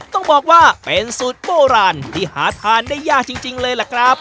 ต้องบอกว่าเป็นสูตรโบราณที่หาทานได้ยากจริงเลยล่ะครับ